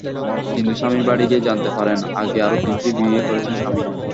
কিন্তু স্বামীর বাড়ি গিয়ে জানতে পারেন, আগে আরও তিনটি বিয়ে করেছেন স্বামী।